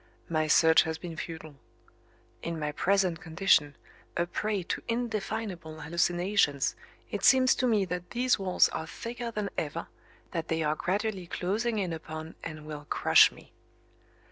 My search has been futile. In my present condition, a prey to indefinable hallucinations it seems to me that these walls are thicker than ever, that they are gradually closing in upon and will crush me.